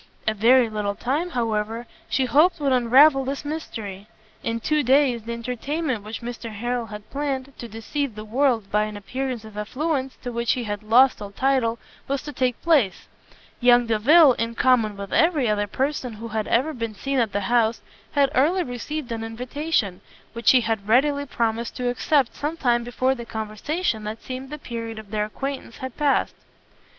A very little time, however, she hoped would unravel this mystery; in two days, the entertainment which Mr Harrel had planned, to deceive the world by an appearance of affluence to which he had lost all title, was to take place; young Delvile, in common with every other person who had ever been seen at the house, had early received an invitation, which he had readily promised to accept some time before the conversation that seemed the period of their acquaintance had passed.